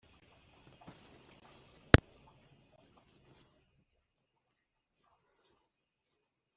, akaba Wa wundi igicaniro cya mbere cyo mu marembo ya Edeni cyerekezagaho